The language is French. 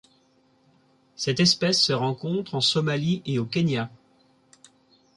Cette espèce se rencontre en Somalie et au Kenya.